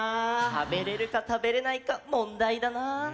食べれるか食べれないかもんだいだな。